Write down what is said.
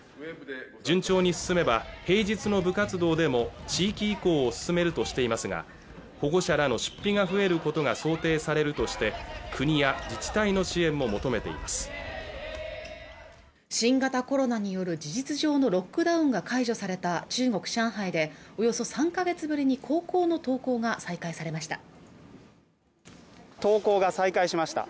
順調に進めば平日の部活動でも地域移行を進めるとしていますが保護者らの出費が増えることが想定されるとして国や自治体の支援も求めています新型コロナによる事実上のロックダウンが解除された中国・上海でおよそ３ヶ月ぶりに高校の登校が再開されました